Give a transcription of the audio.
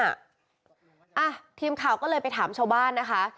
อ่ะทีมข่าวก็เลยไปถามชาวบ้านนะคะ